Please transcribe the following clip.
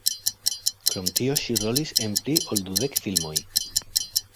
Krom tio ŝi rolis en pli ol dudek filmoj.